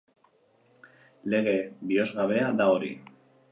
Lege bihozgabea da hori.